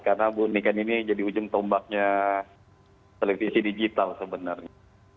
karena bu niken ini akan menjadi ujung tombaknya tv digital sebenarnya